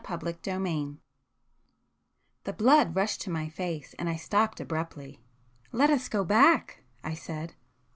[p 221]XIX The blood rushed to my face, and I stopped abruptly. "Let us go back," I said.